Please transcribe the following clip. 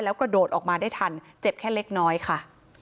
กระโดดออกมาได้ทันเจ็บแค่เล็กน้อยค่ะ